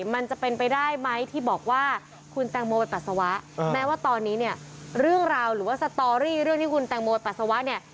มันจะเป็นไปได้ไหมที่บอกว่าคุณแตงโมไปปัสสาวะแม้ว่าตอนนี้เนี่ยเรื่องราวหรือว่าสตอรี่เรื่องที่คุณแตงโมปัสสาวะเนี่ย